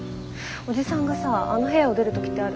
おじさんがさあの部屋を出る時ってある？